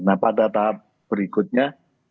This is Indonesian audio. nah pada tahap berikutnya